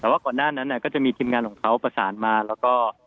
แต่ว่าก่อนหน้านั้นก็จะมีทีมงานของเขาประสานมาแล้วก็